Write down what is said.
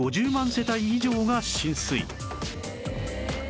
世帯以上が浸水